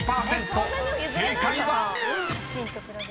［正解は⁉］